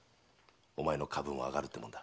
お前の株も上がるってもんだ。